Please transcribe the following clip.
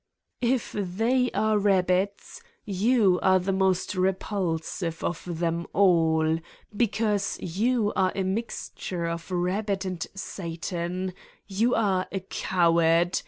"If they are rabbits, you are the most repulsive of them all, because you are a mixture of rabbit and ... Satan. You are a coward!